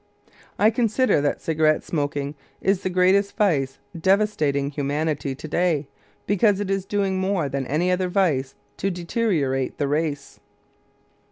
I consider that cigarette smoking is the greatest vice devastating humanity to day, because it is doing more than any other vice to deteriorate the race.